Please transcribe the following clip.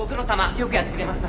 よくやってくれました。